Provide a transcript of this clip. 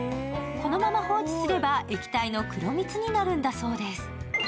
このまま放置すれば、液体の黒蜜になるんだそうです。